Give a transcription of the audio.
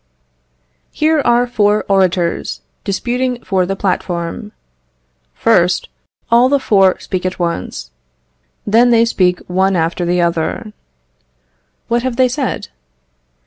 Here are four orators disputing for the platform. First, all the four speak at once; then they speak one after the other. What have they said?